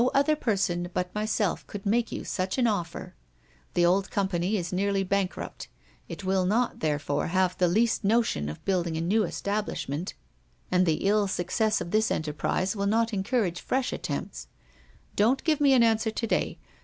No other person but myself could make you such an offer. The old company is nearly bankrupt; it will not, therefore, have the least notion of building a new establishment, and the ill success of this enterprise will not encourage fresh attempts. Don't give me an answer to day.